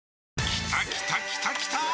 きたきたきたきたー！